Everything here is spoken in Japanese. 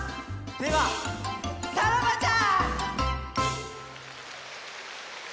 ではさらばじゃ！